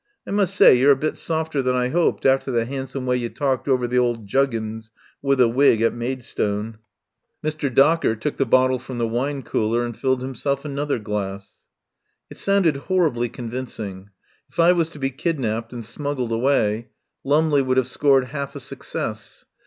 I must say you're a bit softer than I 'oped after the 'andsome way you talked over the old juggins with the wig at Maidstone." Mr. Docker took the bottle from the wine cooler and filled himself another glass. It sounded horribly convincing. If I was to be kidnapped and smuggled away Lumley would have scored half a success.